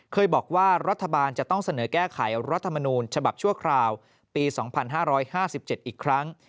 เคยบอกว่ารัฐบาลจะต้องเสนอแก้ไขรัฐมนูญฉบับชั่วคราวปี๒๕๕๗อีกครั้ง